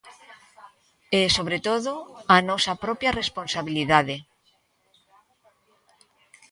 E, sobre todo, a nosa propia responsabilidade.